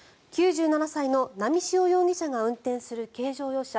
９７歳の波汐容疑者が運転する軽乗用車